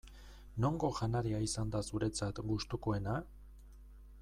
Nongo janaria izan da zuretzat gustukoena?